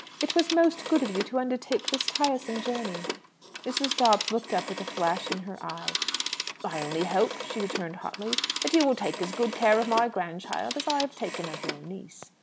It was most good of you to undertake this tiresome journey." Mrs. Dobbs looked up with a flash in her eyes. "I only hope," she returned hotly, "that you will take as good care of my grandchild as I have taken of your niece."